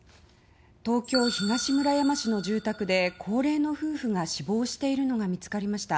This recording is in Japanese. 東京・東村山市の住宅で高齢の夫婦が死亡しているのが見つかりました。